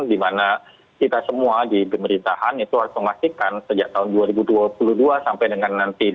di mana kita semua di pemerintahan itu harus memastikan sejak tahun dua ribu dua puluh dua sampai dengan nanti dua ribu dua puluh empat